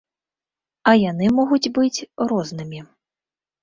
А яны могуць быць рознымі.